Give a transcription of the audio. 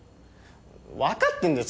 分かってんです